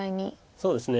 そうですね